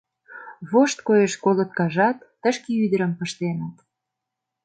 Вошт коеш колоткажат, Тышке ӱдырым пыштеныт